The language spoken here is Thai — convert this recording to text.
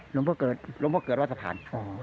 หลวงพ่อเกิดหลวงพ่อเกิดวัดสะพาน